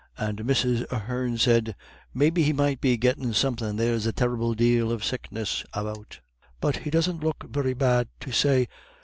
And Mrs. Ahern said: "Maybe he might be gettin' somethin'; there's a terrible dale of sickness about. But he doesn't look very bad to say.